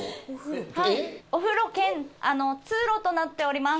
お風呂兼通路となっております。